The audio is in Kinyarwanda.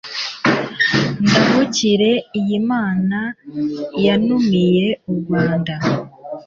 ndabukire iyi mana yunamuye u rwanda